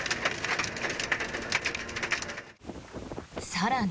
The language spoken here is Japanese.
更に。